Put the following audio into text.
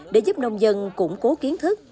để giúp nông dân củng cố kiến thức